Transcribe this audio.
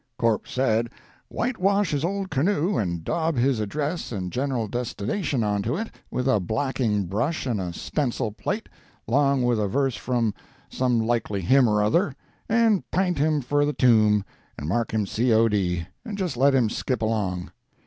Corpse said, whitewash his old canoe and dob his address and general destination onto it with a blacking brush and a stencil plate, long with a verse from some likely hymn or other, and p'int him for the tomb, and mark him C. O. D., and just let him skip along.